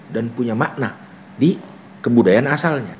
dan punya makna di kebudayaan asalnya